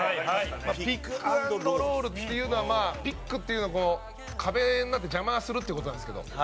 ピック＆ロールっていうのはピックっていうのは壁になって邪魔するって事なんですけど。